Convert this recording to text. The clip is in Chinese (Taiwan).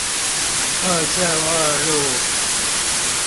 二聖二路